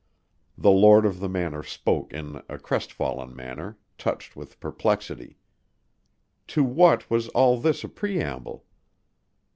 The lord of the manor spoke in a crestfallen manner, touched with perplexity. To what was all this a preamble?